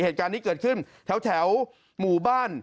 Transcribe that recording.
เหตุการณ์นี้เกิดขึ้นแถวหมู่บ้าน